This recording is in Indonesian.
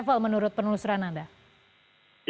pertama apa yang terjadi di perusahaan yang pertama